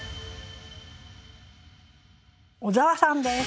小沢さんです。